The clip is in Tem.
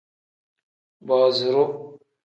Booziru.